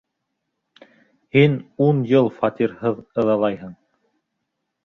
Һин ун йыл фатирһыҙ ыҙалайһың.